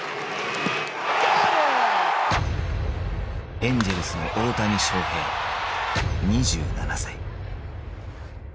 エンジェルスの大谷翔平２７歳。